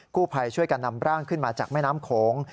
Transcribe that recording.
ผู้ภัยช่วยกันนำร่างขึ้นมาจากแม่น้ำโขง